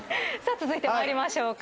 続いて参りましょうか。